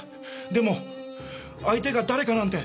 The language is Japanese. でも相手が誰かなんて。